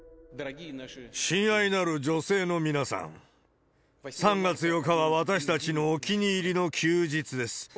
親愛なる女性の皆さん、３月８日は私たちのお気に入りの休日です。